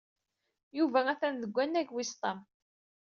Yuba atan deg wannag wis ṭam.